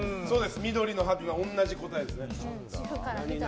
緑のはてな、同じ答えですね。